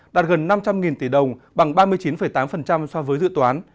đạt gần năm trăm linh tỷ đồng bằng ba mươi chín tám so với một tỷ đồng